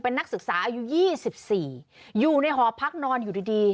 เป็นนักศึกษาอายุ๒๔อยู่ในหอพักนอนอยู่ดี